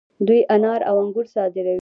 دوی انار او انګور صادروي.